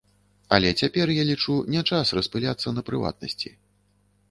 Але цяпер, я лічу, не час распыляцца на прыватнасці.